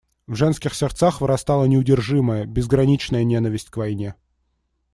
В женских сердцах вырастала неудержимая, безграничная ненависть к войне.